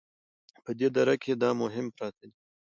په دې دره کې دا مهم پراته دي